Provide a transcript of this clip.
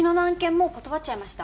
もう断っちゃいました？